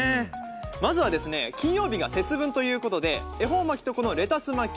まずは、金曜日が節分ということで恵方巻きとレタス巻き